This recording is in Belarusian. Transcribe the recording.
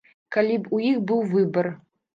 Калі б у іх быў выбар.